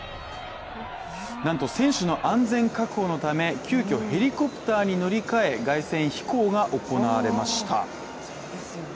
なんと選手の安全確保のため、急きょ、ヘリコプターに乗り換え凱旋飛行が行われました。